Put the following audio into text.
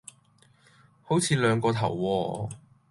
好似兩個頭喎